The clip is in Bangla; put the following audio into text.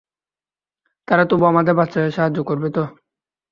তারা তবুও আমাদের বাচ্চাদের সাহায্য করবে তো?